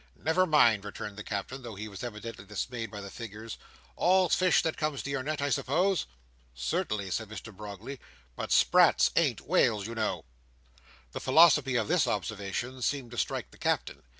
"Never mind," returned the Captain, though he was evidently dismayed by the figures: "all's fish that comes to your net, I suppose?" "Certainly," said Mr Brogley. "But sprats ain't whales, you know." The philosophy of this observation seemed to strike the Captain.